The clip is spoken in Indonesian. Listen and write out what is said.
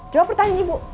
jawab pertanyaan ibu